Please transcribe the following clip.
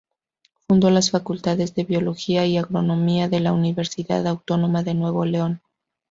Fundó las facultades de Biología y Agronomía de la Universidad Autónoma de Nuevo León.